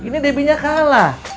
ini debbie nya kalah